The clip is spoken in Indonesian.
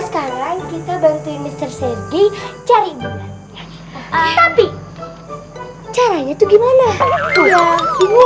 sekarang kita bantu mister sergi cari tapi caranya itu gimana ya gini